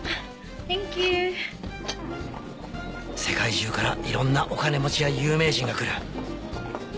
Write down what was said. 世界中からいろんなお金持ちや有名人が来る。